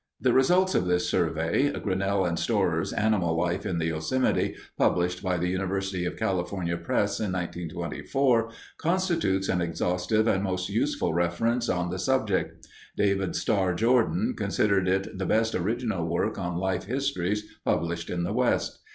The results of this survey, Grinnell and Storer's Animal Life in the Yosemite, published by the University of California Press in 1924, constitutes an exhaustive and most useful reference on the subject. David Starr Jordan considered it the best original work on life histories published in the West.